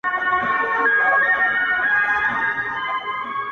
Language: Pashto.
له ستړتیا یې خوږېدی په نس کي سږی٫